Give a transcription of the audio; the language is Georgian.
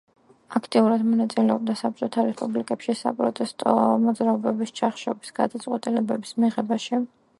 აქტიურად მონაწილეობდა საბჭოთა რესპუბლიკებში საპროტესტო მოძრაობების ჩახშობის გადაწყვეტილებების მიღებაში.